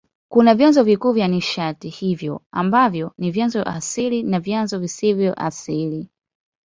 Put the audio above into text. Kuna vyanzo vikuu vya nishati hiyo ambavyo ni vyanzo asili na vyanzo visivyo asili.